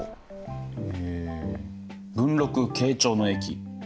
え文禄・慶長の役。